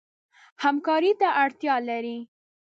همکارۍ ته اړتیا لري.